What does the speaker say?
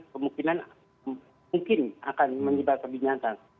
kemungkinan mungkin akan menyebar ke binatang